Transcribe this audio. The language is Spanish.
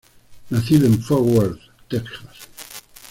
Nacido en Fort Worth, Texas.